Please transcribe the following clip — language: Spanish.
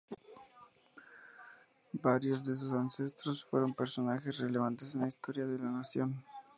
Varios de sus ancestros fueron personajes relevantes en la historia de la nación.